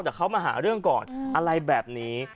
แต่เขามาหาเรื่องก่อนอะไรแบบนี้